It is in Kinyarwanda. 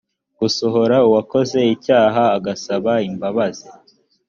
gusohora uwakoze icyaha agasaba imbabazi